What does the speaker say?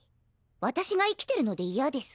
私が生きてるので嫌です。